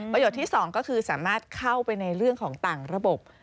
ประโยชน์ที่สองก็คือสามารถเข้าไปในเรื่องของต่างระบบ